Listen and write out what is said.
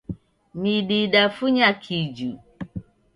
Midi idafunya kiju.